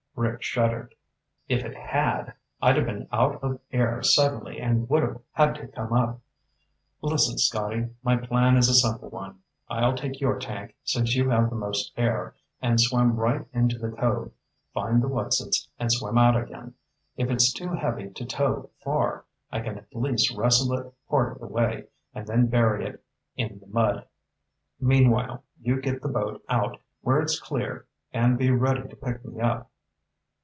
Rick shuddered. "If it had, I'd have been out of air suddenly and would've had to come up. Listen, Scotty. My plan is a simple one. I'll take your tank, since you have the most air, and swim right into the cove, find the 'what's it' and swim out again. If it's too heavy to tow far, I can at least wrestle it part of the way, and then bury it in the mud. Meanwhile, you get the boat out where it's clear and be ready to pick me up."